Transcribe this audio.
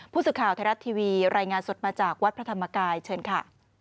ผู้สื่อข่าวไทยรัฐทีวีรายงานสดมาจากวัดพระธรรมกายเชิญค่ะ